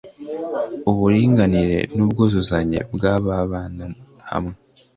Uburinganire n'ubwuzuzanye bwababana hamwe